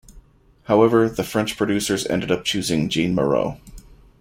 However, the French producers ended up choosing Jeanne Moreau.